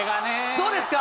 どうですか？